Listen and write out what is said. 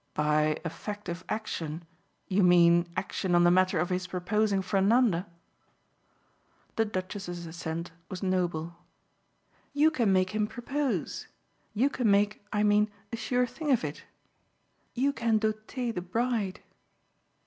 "By effective action you mean action on the matter of his proposing for Nanda?" The Duchess's assent was noble. "You can make him propose you can make, I mean, a sure thing of it. You can doter the bride."